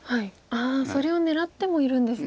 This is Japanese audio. それを狙ってもいるんですね。